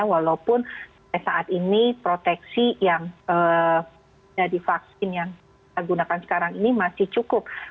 walaupun saat ini proteksi yang divaksin yang kita gunakan sekarang ini masih cukup